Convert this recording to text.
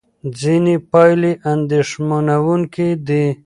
ځینې پایلې اندېښمنوونکې وې.